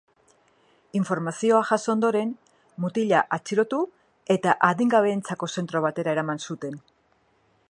Informazioa jaso ondoren, mutila atxilotu eta adingabeentzako zentro batera eraman zuten.